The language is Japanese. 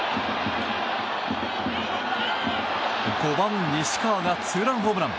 ５番、西川がツーランホームラン。